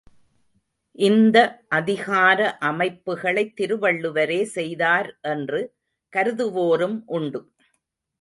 இந்த அதிகார அமைப்புகளைத் திருவள்ளுவரே செய்தார் என்று கருதுவோரும் உண்டு.